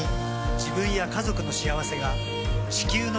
自分や家族の幸せが地球の幸せにつながっている。